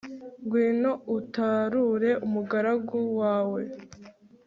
ngwino utarure umugaragu wawe